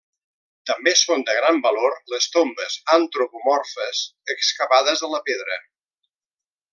També són de gran valor les tombes antropomorfes excavades a la pedra.